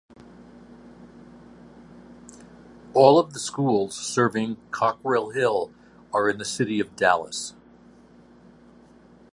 All of the schools serving Cockrell Hill are in the City of Dallas.